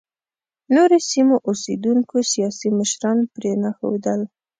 نورو سیمو اوسېدونکو سیاسي مشران پرېنښودل.